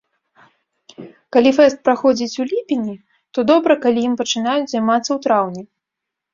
Калі фэст праходзіць у ліпені, то добра, калі ім пачынаюць займацца ў траўні.